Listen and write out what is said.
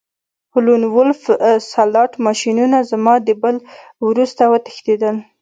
لون وولف سلاټ ماشینونه زما د بل وروسته وتښتیدل